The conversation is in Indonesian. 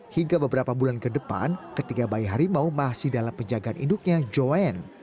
hingga beberapa bulan ke depan ketiga bayi hari mau masih dalam penjagaan induknya joanne